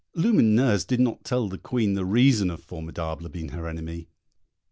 Lumineuse did not tell the Queen the reason of Formidable being her enemy.